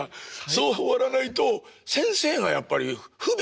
そう終わらないと先生がやっぱりふびん。